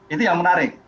itu yang menarik